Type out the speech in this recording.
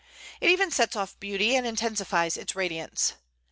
It even sets off beauty, and intensifies its radiance.